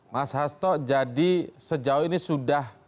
mas hasto jadi sejauh ini sudah